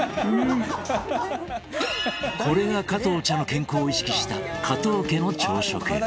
これが加藤茶の健康を意識した加藤家の朝食